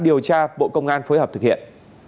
điều tra bộ công an phối hợp thực hiện